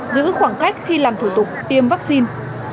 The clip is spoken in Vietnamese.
giữ khoảng cách khi làm thủ tục tiêm vaccine